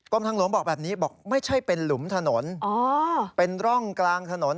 ทางหลวงบอกแบบนี้บอกไม่ใช่เป็นหลุมถนนเป็นร่องกลางถนน